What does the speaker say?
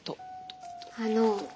あの。